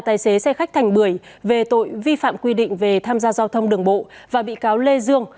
tài xế xe khách thành bưởi về tội vi phạm quy định về tham gia giao thông đường bộ và bị cáo lê dương